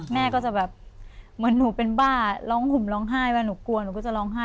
แม่ก็จะแบบเหมือนหนูเป็นบ้าร้องห่มร้องไห้ว่าหนูกลัวหนูก็จะร้องไห้